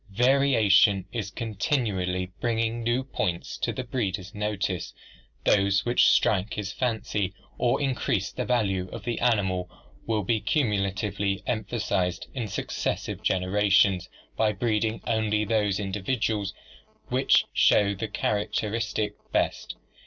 Variation is con tinually bringing new points to the breeder's notice; those which strike his fancy or increase the value of the animal will be cumu latively emphasized in successive generations by breeding only from those individuals which show the characteristic best.